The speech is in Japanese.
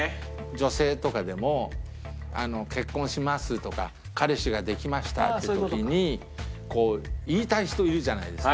女性とかでも結婚しますとか彼氏ができましたっていう時に言いたい人いるじゃないですか。